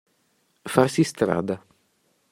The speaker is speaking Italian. Farsi strada.